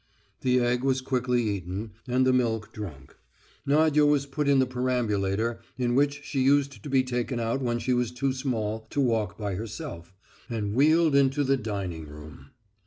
The egg was quickly eaten, and the milk drunk. Nadya was put in the perambulator in which she used to be taken out when she was too small to walk by herself, and wheeled into the dining room.